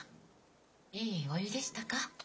いいお湯でしたか？